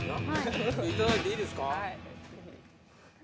「いただいていいですか」